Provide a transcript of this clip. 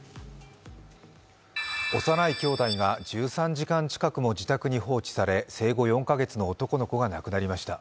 幼い兄弟が１３時間近くも自宅に放置され生後４カ月の男の子が亡くなりました。